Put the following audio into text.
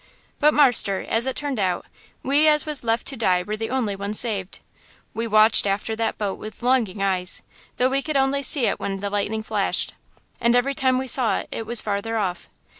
"But, marster, as it turned out, we as was left to die were the only ones saved. We watched after that boat with longing eyes, though we could only see it when the lightning flashed. And every time we saw it it was farther off.